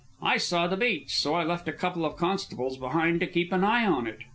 I saw the beach, so I left a couple of constables behind to keep an eye on it.